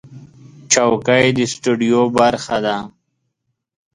چوکۍ د سټوډیو برخه ده.